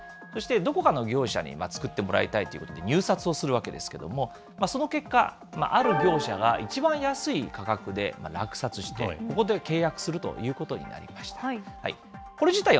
そしてどこかの業者に作ってもらいたいということで、入札をするわけですけれども、その結果、ある業者が一番安い価格で落札して、ここで契約するということになりました。